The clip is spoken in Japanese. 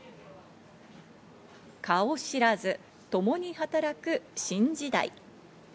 「顔知らず共に働く新時代」。